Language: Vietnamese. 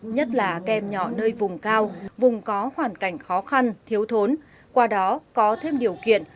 nhất là kem nhỏ nơi vùng cao vùng có hoàn cảnh khó khăn thiếu thốn qua đó có thêm điều kiện